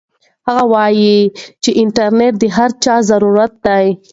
هغه وایي چې انټرنيټ د هر چا ضرورت دی.